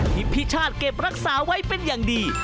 ที่พี่ชาติเก็บรักษาไว้เป็นอย่างดี